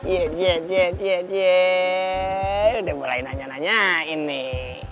jejejejeje udah mulai nanya nanyain nih